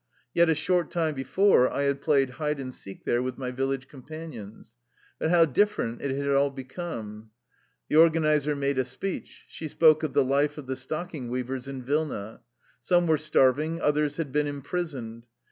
Yet a short time before I had played hide and seek there with my village companions. But how different it had all become ! The organizer made a speech. She spoke of the life of the stocking weavers in Vilna. Some were starving, others had been imprisoned.